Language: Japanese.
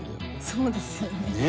そうですよね。